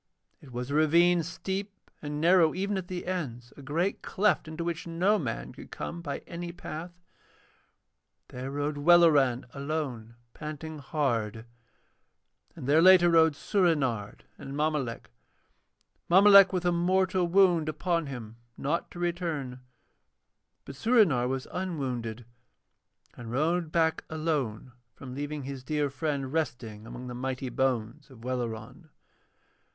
It was a ravine steep and narrow even at the ends, a great cleft into which no man could come by any path. There rode Welleran alone, panting hard; and there later rode Soorenard and Mommolek, Mommolek with a mortal wound upon him not to return, but Soorenard was unwounded and rode back alone from leaving his dear friend resting among the mighty bones of Welleran.